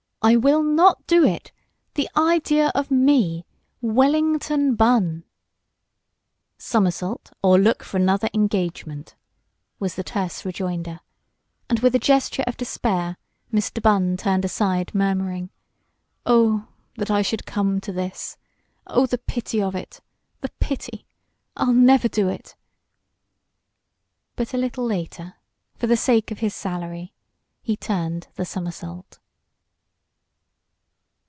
"I will not do it! The idea of me Wellington Bunn " "Somersault or look for another engagement," was the terse rejoinder, and with a gesture of despair Mr. Bunn turned aside murmuring; "Oh, that I should come to this! Oh, the pity of it! The pity! I'll never do it!" But a little later, for the sake of his salary, he turned the somersault.